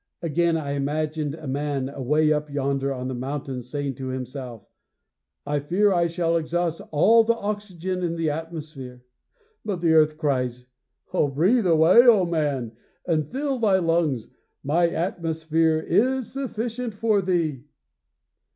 Again I imagined a man away up yonder on the mountain saying to himself: "I fear I shall exhaust all the oxygen in the atmosphere." But the earth cries: "Breathe away, O man, and fill thy lungs; my atmosphere is sufficient for thee!"'